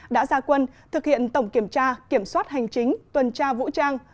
đã ra quân thực hiện tổng kiểm tra kiểm soát hành chính tuần tra vũ trang